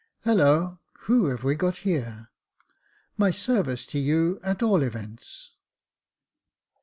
Holloa, who have we got here ? My service to you, at all events."